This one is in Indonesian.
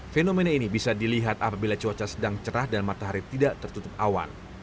fenomena ini bisa dilihat apabila cuaca sedang cerah dan matahari tidak tertutup awan